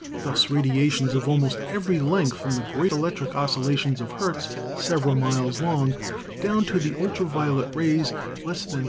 Thus radiations of almost every length, from the great electric oscillations of Hertz several miles long down to the ultra violet rays less than